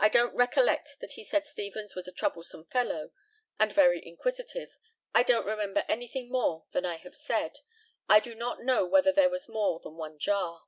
I don't recollect that he said Stevens was a troublesome fellow, and very inquisitive. I don't remember anything more than I have said. I do not know whether there was more than one jar.